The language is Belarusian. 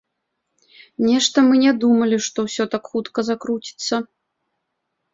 Нешта мы не думалі, што ўсё так хутка закруціцца.